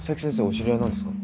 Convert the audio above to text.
お知り合いなんですか？